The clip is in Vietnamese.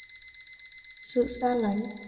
sự xa lánh